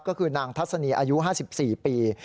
ก็คือนางทัศนีอายุ๕๔ปี